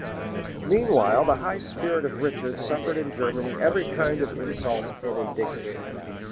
[] Meanwhile the high spirit of Richard suffered in Germany every kind of insult and indignity.